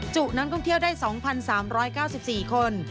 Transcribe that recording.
จุนั้นก็เที่ยวได้๒๓๙๔คน